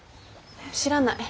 知らない。